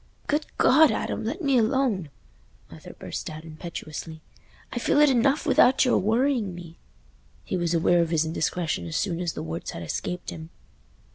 "Good God, Adam, let me alone!" Arthur burst out impetuously; "I feel it enough without your worrying me." He was aware of his indiscretion as soon as the words had escaped him.